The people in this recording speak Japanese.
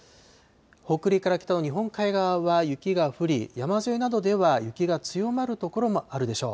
北陸から北の日本海側は雪が降り、山沿いなどでは雪が強まる所もあるでしょう。